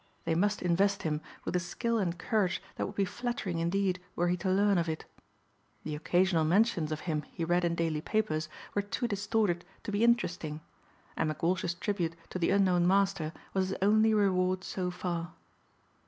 They must invest him with a skill and courage that would be flattering indeed were he to learn of it. The occasional mentions of him he read in daily papers were too distorted to be interesting and McWalsh's tribute to the unknown master was his only reward so far.